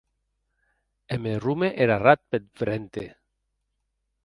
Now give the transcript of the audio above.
E me rome er arrat peth vrente.